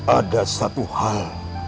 ada satu hal